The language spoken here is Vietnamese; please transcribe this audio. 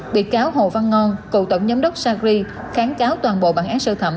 bị cáo hồ văn ngon cựu tổng giám đốc sacri kháng cáo toàn bộ bản án sơ thẩm